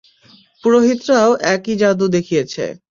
পুরোহিতরাও একই জাদু দেখিয়েছে।